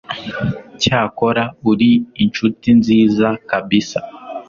cyakora uri inshuti nziza kabisa